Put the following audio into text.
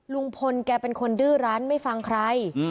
ลุงพลแกเป็นคนดื้อรั้นไม่ฟังใคร